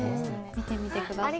見てみて下さい。